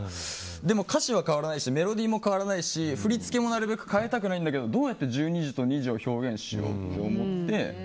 でも、歌詞は変わらないしメロディーも変わらないし振り付けもなるべく変えたくないんだけどどうやって１２時と２時を表現しようって思って。